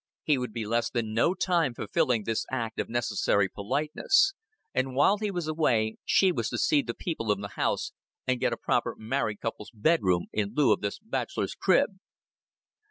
He would be less than no time fulfilling this act of necessary politeness, and while he was away she was to see the people of the house and get a proper married couple's bedroom in lieu of this bachelor's crib.